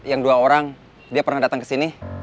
yang dua orang dia pernah datang kesini